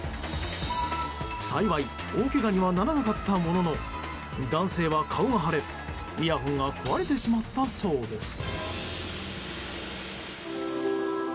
幸い大けがにはならなかったものの男性は顔が腫れ、イヤホンが壊れてしまったそうです。